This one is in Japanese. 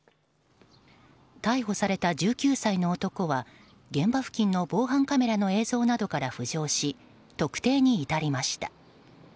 逮捕された１９歳の男は現場付近の防犯カメラの映像などから浮上し特定に至りました。